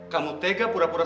kamu tega pura pura